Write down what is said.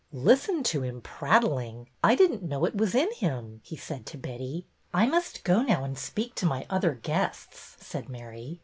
Listen to him prattling. I did n't know it was in him," he said to Betty. '' I must go now and speak to my other guests," said Mary.